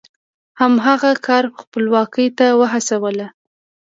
همدغه کار خپلواکۍ ته وهڅول.